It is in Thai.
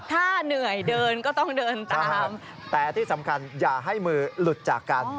ถ้าเหนื่อยเดินก็ต้องเดินตามแต่ที่สำคัญอย่าให้มือหลุดจากกัน